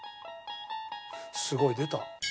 すごい出た。